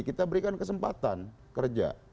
kita berikan kesempatan kerja